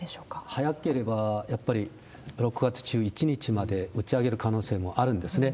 早ければ、やっぱり６月１１日まで打ち上げる可能性はあるんですね。